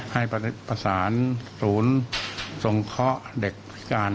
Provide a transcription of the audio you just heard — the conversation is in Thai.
ให้ประสานศูนย์ทรงเคราะห์เด็กพิการ